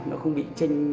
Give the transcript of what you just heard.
nó không bị chênh